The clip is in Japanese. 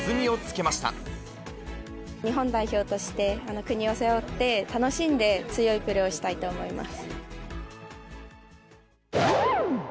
日本代表として国を背負って、楽しんで、強いプレーをしたいと思います。